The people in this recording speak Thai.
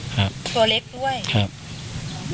ตัวเล็กด้วย